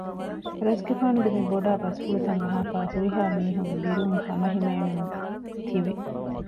ރަސްގެފާނުގެ މިބޮޑާ ބަސްފުޅުތައް އަހާފައި ހުރިހާ މީހުން ބިރުން ހަމަހިމޭނުން ތިވި